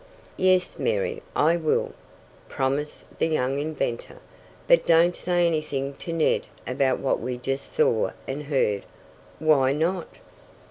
"Yes, Mary, I will," promised the young inventor. "But don't say anything to Ned about what we just saw and heard." "Why not?"